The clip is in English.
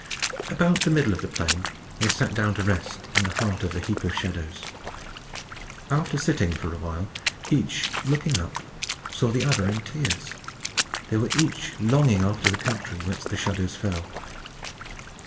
About the middle of the plain they sat down to rest in the heart of a heap of shadows. After sitting for a while, each, looking up, saw the other in tears: they were each longing after the country whence the shadows fell.